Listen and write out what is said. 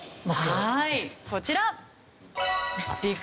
はいこちら。